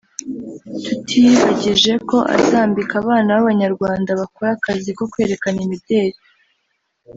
tutiyibagije ko azambika abana b’Abanyarwanda bakora akazi ko kwerekana imideli